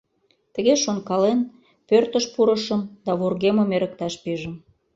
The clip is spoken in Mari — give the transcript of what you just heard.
Тыге шонкален, пӧртыш пурышым да вургемым эрыкташ пижым.